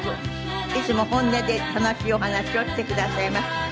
いつも本音で楽しいお話をしてくださいます。